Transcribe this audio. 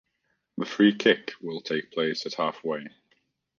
The free kick will take place at half way.